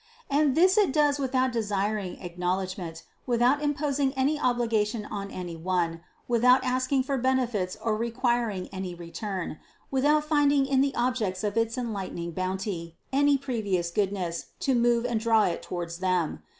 And this it does with out desiring acknowledgment, without imposing any obligation on any one, without asking for benefits or re quiring any return, without finding in the objects of its enlightening bounty any previous goodness to move and draw it towards them.